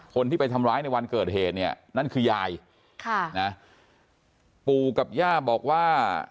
คนที่ไปทำร้ายในวันเกิดเหตุเนี่ยนั่นคือยายค่ะนะปู่กับย่าบอกว่า